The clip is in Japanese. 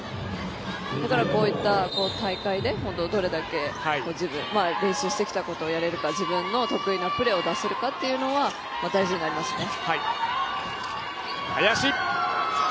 だから、こういった大会でどれだけ練習してきたことをやれるか自分の得意なプレーを出せるかというのは大事になりますね。